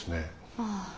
ああ。